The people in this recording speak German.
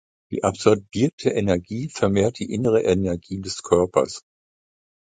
Die absorbierte Energie vermehrt die innere Energie des Körpers.